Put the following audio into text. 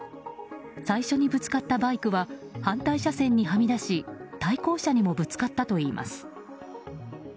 最初にぶつかったバイクは反対車線にはみ出し対向車にもぶつかったといいます。